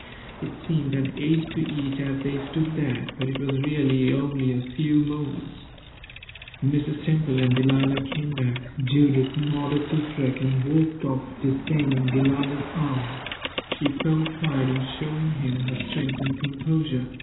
It seemed an age to each as they stood there, but it was really only a few moments. Mrs. Temple and Delilah came back. Judith nodded to Freke, and walked off, disdaining Delilah's arm. She felt pride in showing him her strength and composure.